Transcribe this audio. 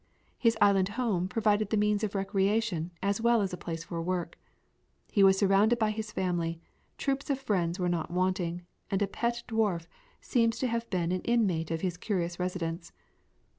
His island home provided the means of recreation as well as a place for work. He was surrounded by his family, troops of friends were not wanting, and a pet dwarf seems to have been an inmate of his curious residence.